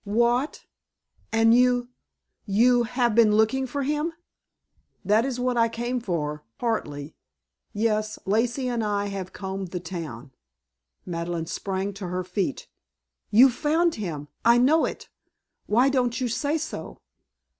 "What? And you you have been looking for him?" "That is what I came for partly. Yes, Lacey and I have combed the town." Madeleine sprang to her feet. "You've found him! I know it! Why don't you say so?"